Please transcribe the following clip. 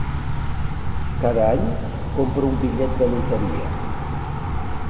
Cada any, compra un bitllet de loteria.